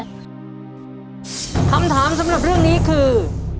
คำถามสำหรับเรื่องนี้คือ